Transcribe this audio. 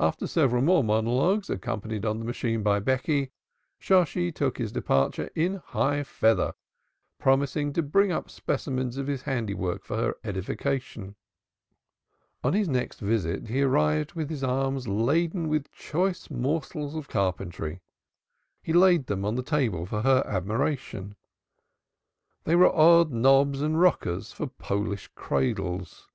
After several more monologues, accompanied on the machine by Becky, Shosshi took his departure in high feather, promising to bring up specimens of his handiwork for her edification. On his next visit he arrived with his arms laden with choice morsels of carpentry. He laid them on the table for her admiration. They were odd knobs and rockers for Polish cradles!